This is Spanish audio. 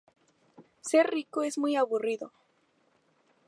Ser rico es muy aburrido